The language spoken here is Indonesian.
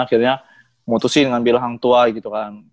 akhirnya mutusin ambil hang tua gitu kan